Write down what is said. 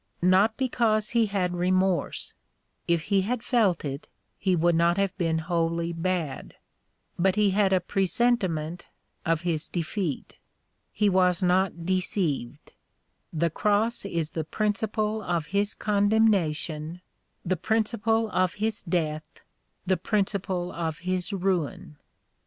Not because he had remorse ; if he had felt it, he would not have been wholly bad ; but he had a presentiment of his defeat. He was not deceived. The Cross is the principle of his condemnation, the principle of his death, the principle of his ruin."